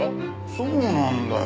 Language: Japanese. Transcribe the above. そうなんだよ。